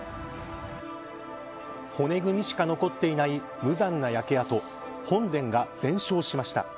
骨組みしか残っていない無残な焼け跡本殿が全焼しました。